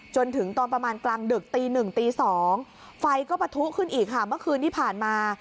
จนถึงตอนประมาณกลางดึกตีหนึ่งตี๒ไฟก็ปะทุขึ้นอีกค่ะเมื่อคืนที่ผ่านมา